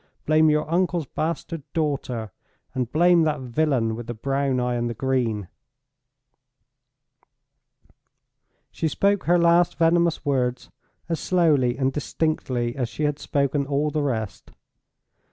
Blame your uncle's bastard daughter, and blame that villain with the brown eye and the green!" She spoke her last venomous words as slowly and distinctly as she had spoken all the rest.